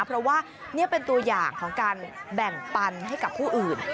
เพราะว่านี่เป็นตัวอย่างของการแบ่งปันให้กับผู้อื่น